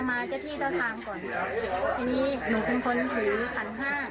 เพราะว่าก็ทำพิธีขอขมาเจ้าที่เต้าทางก่อน